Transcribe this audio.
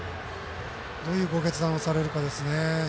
どういうご決断をされるかですね。